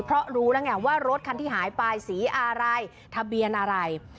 เพราะรู้แล้วไงว่ารถคันที่หายไปสีอะไรทะเบียนอะไร